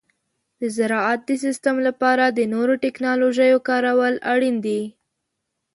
د زراعت د سیستم لپاره د نوو تکنالوژیو کارول اړین دي.